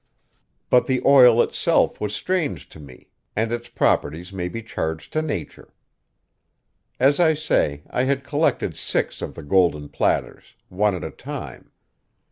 But the oil itself was strange to me, and its properties may be charged to nature. As I say, I had collected six of the golden platters, one at a time.